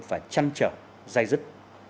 phải chăn trở dây dứt